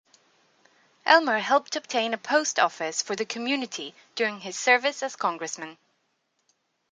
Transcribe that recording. Elmer helped obtain a post office for the community during his service as Congressman.